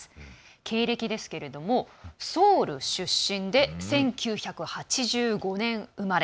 経歴ですが、ソウル出身で１９８５年生まれ。